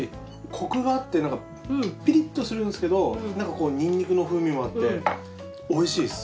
コクがあってピリッとするんですけどニンニクの風味もあっておいしいです。